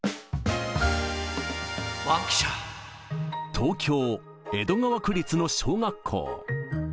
東京・江戸川区立の小学校。